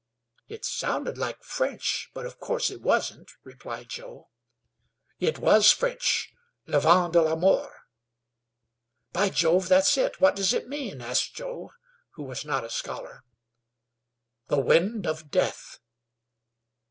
"It sounded like French, but of course it wasn't," replied Joe. "It was French. 'Le Vent de la Mort.'" "By Jove, that's it. What does it mean?" asked Joe, who was not a scholar. "The Wind of Death."